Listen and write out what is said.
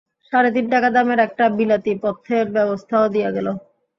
সাড়ে তিন টাকা দামের একটা বিলাতী পথ্যের ব্যবস্থাও দিয়া গেল।